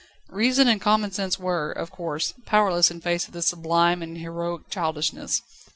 Reason and common sense were, of course, powerless in face of this sublime and heroic childishness.